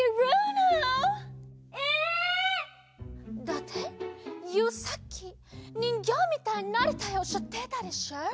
だってユーさっきにんぎょうみたいになりたいおっしゃってたでしょう？